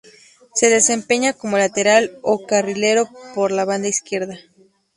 Se desempeñaba como lateral o carrilero por la banda izquierda.